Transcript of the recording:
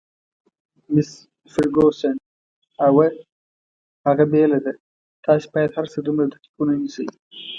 مس فرګوسن: اوه، هغه بېله ده، تاسي باید هرڅه دومره دقیق ونه نیسئ.